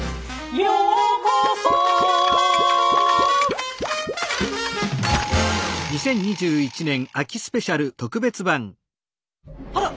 ようこそあらっ！